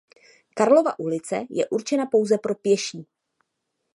Karlova ulice je určena pouze pro pěší.